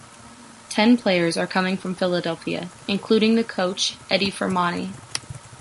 Ten players are coming from Philadelphia, including the coach, Eddie Firmani.